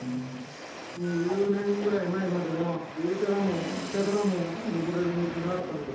２０年ぐらい前までは上からも下からも登れる道があったんです。